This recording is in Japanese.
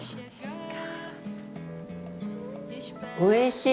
おいしい。